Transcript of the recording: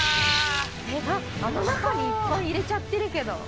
あの中にいっぱい入れちゃってるけど。